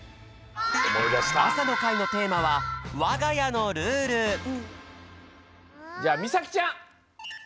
朝の会のテーマは「わがやのルール」じゃあみさきちゃん！